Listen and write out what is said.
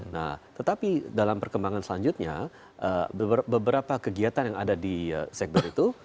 nah tetapi dalam perkembangan selanjutnya beberapa kegiatan yang ada di segber itu